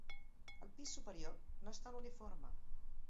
El pis superior no és tan uniforme.